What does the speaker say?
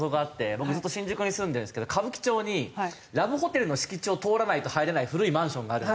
僕ずっと新宿に住んでるんですけど歌舞伎町にラブホテルの敷地を通らないと入れない古いマンションがあるんですよ。